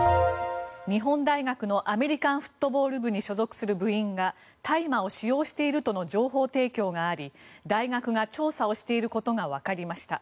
日本大学のアメリカンフットボール部に所属する部員が大麻を使用しているとの情報提供があり大学が調査をしていることがわかりました。